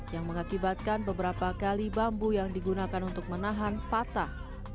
yang mengakibatkan beberapa kali bambu yang digunakan untuk menahan patah